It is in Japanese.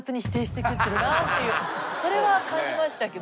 それは感じましたけど。